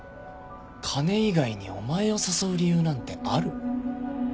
金以外にお前を誘う理由なんてある？